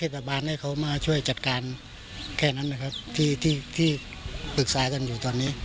ไปแจ้งอยู่